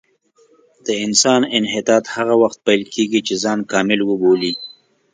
د انسان انحطاط هغه وخت پیل کېږي چې ځان کامل وبولي.